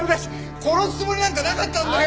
殺すつもりなんかなかったんだよ！